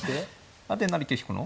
あっで成桂引くの。